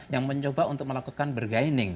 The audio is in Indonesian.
yang mencoba untuk melakukan bergaining